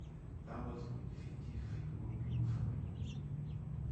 Damals wurde die fiktive Figur "Blue" verwendet.